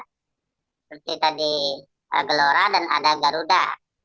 seperti tadi gelora dan ada garuda